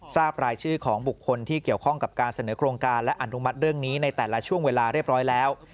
ทราบรายชื่อของบุคคลที่เกี่ยวข้องกับการเสนอโครงการและอนุมัติเรื่องนี้ในแต่ละช่วงเวลาเรียบร้อยแล้ว